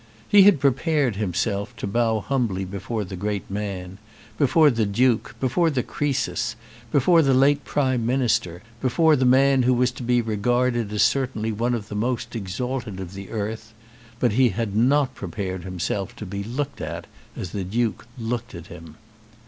He had prepared himself to bow humbly before the great man, before the Duke, before the Croesus, before the late Prime Minister, before the man who was to be regarded as certainly one of the most exalted of the earth; but he had not prepared himself to be looked at as the Duke looked at him.